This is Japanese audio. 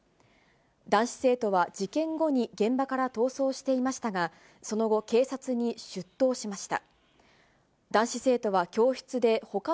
男子生徒は事件後に現場から逃走していましたが、その後、警察に出頭しました。